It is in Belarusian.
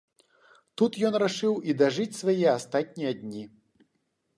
Тут ён рашыў і дажыць свае астатнія дні.